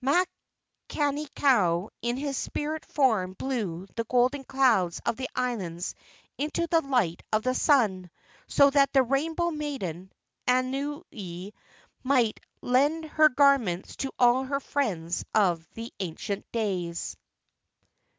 Makani kau in his spirit form blew the golden clouds of the islands into the light of the sun, so that the Rainbow Maiden, Anuenue, might lend her garments to all her friends of the ancient days.